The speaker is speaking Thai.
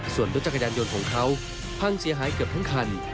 ส่วนรถจักรยานยนต์ของเขาพังเสียหายเกือบทั้งคัน